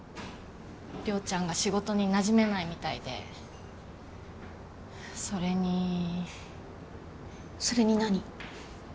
亮ちゃんが仕事になじめないみたいでそれにそれに何？